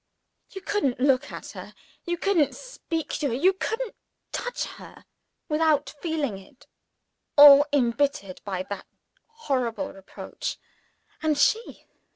You couldn't look at her, you couldn't speak to her, you couldn't touch her, without feeling it all embittered by that horrible reproach. And she?